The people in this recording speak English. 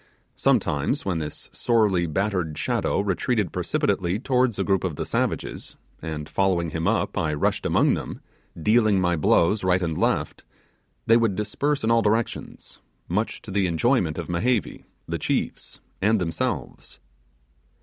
Sometimes when this sorely battered shadow retreated precipitately towards a group of the savages, and, following him up, I rushed among them dealing my blows right and left, they would disperse in all directions much to the enjoyment of Mehevi, the chiefs, and themselves.